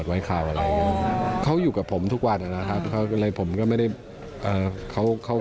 ทำเอาภรรยายอย่างพี่ฮาน่า